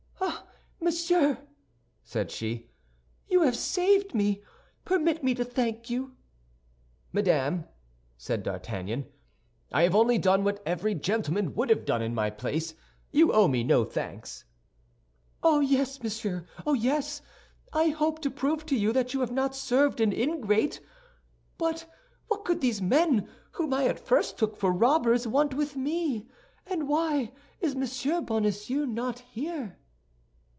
"Ah, monsieur!" said she, "you have saved me; permit me to thank you." "Madame," said D'Artagnan, "I have only done what every gentleman would have done in my place; you owe me no thanks." "Oh, yes, monsieur, oh, yes; and I hope to prove to you that you have not served an ingrate. But what could these men, whom I at first took for robbers, want with me, and why is Monsieur Bonacieux not here?"